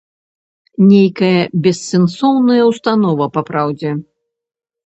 Нейкая бессэнсоўная ўстанова, папраўдзе.